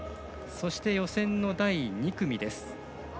そして、予選の第２組です。